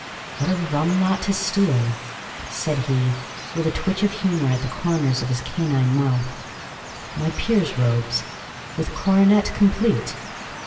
"What a rum lot to steal!" said he, with a twitch of humor at the corners of his canine mouth. "My peer's robes, with coronet complete!"